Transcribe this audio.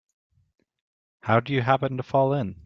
How'd you happen to fall in?